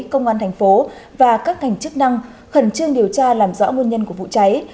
công an thành phố và các ngành chức năng khẩn trương điều tra làm rõ nguồn nhân của vụ cháy